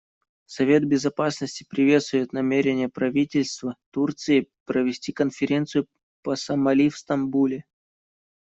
Совет Безопасности приветствует намерение правительства Турции провести конференцию по Сомали в Стамбуле.